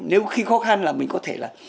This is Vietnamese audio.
nếu khi khó khăn là mình có thể là